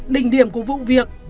đình điểm của vụ việc